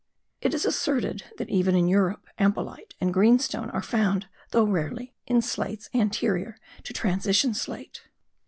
It is asserted that even in Europe ampelite and green stone are found, though rarely, in slates anterior to transition slate.